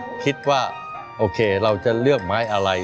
เราก็เลยคิดว่าโอเคเราจะเลือกไม้อะไร